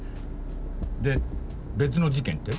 で別の事件って？